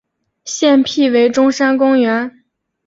现辟为中山公园。